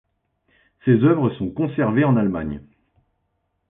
Ses œuvres sont conservées en Allemagne.